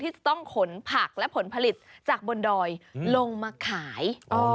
จะต้องขนผักและผลผลิตจากบนดอยลงมาขาย